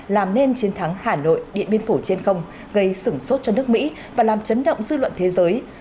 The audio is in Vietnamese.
làm nên chiến thắng hà nội điện biên phủ trên không gây sửng sốt cho nước mỹ và làm chấn động dư luận thế giới